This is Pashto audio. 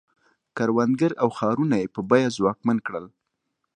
کروندګر او ښارونه یې په بیه ځواکمن کړل.